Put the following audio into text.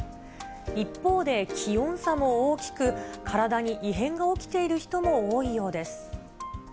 一方で、気温差も大きく、体に異変が起きている人も多いようです。